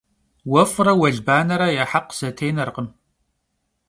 Vuef're vuelbanere ya hekh zetênerkhım.